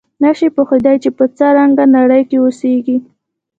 نه شي پوهېدای چې په څه رنګه نړۍ کې اوسېږي.